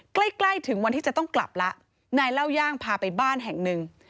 ใกล้ใกล้ถึงวันที่จะต้องกลับแล้วนายเล่าย่างพาไปบ้านแห่งหนึ่ง